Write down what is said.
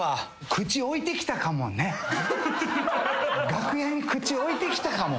楽屋に口置いてきたかも。